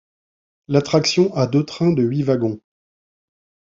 L'attraction a deux trains de huit wagons.